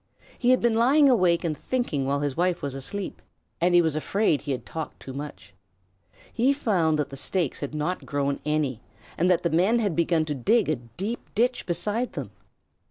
He had been lying awake and thinking while his wife was asleep, and he was afraid he had talked too much. He found that the stakes had not grown any, and that the men had begun to dig a deep ditch beside them.